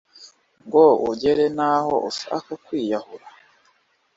Ngo ugere naho ushaka kwiyahura